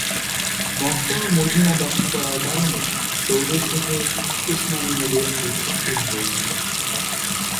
মক্কা ও মদিনা দখল করার কারণে সৌদের সাথে উসমানীয়দের যুদ্ধ শুরু হয়েছিল।